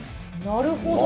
なるほど。